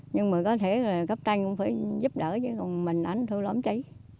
nhưng mà có thể là cấp tranh cũng phải giúp đỡ chứ còn mình ảnh thương lắm chứ